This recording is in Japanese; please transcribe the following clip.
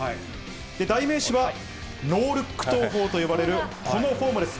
代名詞は、ノールック投法と呼ばれるこのフォームです。